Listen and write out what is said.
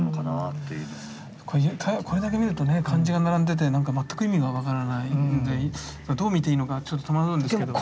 これだけ見るとね漢字が並んでてなんか全く意味が分からないのでどう見ていいのかちょっと戸惑うんですけど。